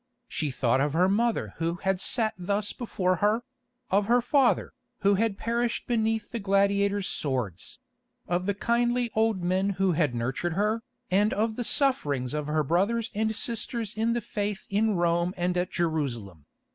She thought of her mother who had sat thus before her; of her father, who had perished beneath the gladiators' swords; of the kindly old men who had nurtured her, and of the sufferings of her brothers and sisters in the faith in Rome and at Jerusalem.